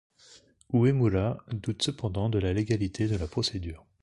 Uemura doute cependant de la légalité de la procédure.